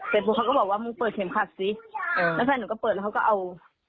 เขาก็บอกว่ามึงเปิดเข็มขัดสิแล้วแฟนหนูก็เปิดแล้วเขาก็เอา